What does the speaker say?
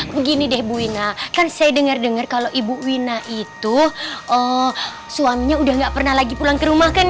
begini deh bu ina kan saya dengar dengar kalau ibu wina itu suaminya udah gak pernah lagi pulang ke rumah kan